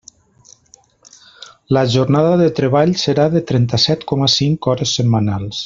La jornada de treball serà de trenta-set coma cinc hores setmanals.